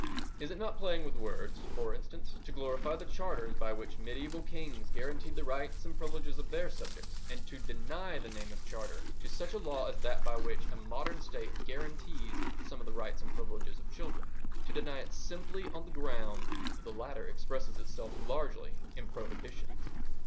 Is it not playing with words, for instance, to glorify the charters by which medieval kings guaranteed the rights and privileges of their subjects, and to deny the name of charter to such a law as that by which a modern State guarantees some of the rights and privileges of children—to deny it simply on the ground that the latter expresses itself largely in prohibitions?